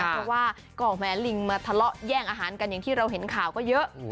เพราะว่าก็แม้ลิงมาทะเลาะแย่งอาหารกันอย่างที่เราเห็นข่าวก็เยอะ